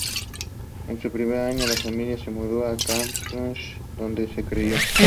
En su primer año, la familia se mudó a Copenhague, donde se crio.